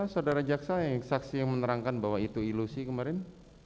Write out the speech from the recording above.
saudara jaksa yang saksi yang menerangkan bahwa itu ilusi kemarin